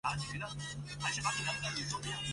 苏施黄是一名基督徒。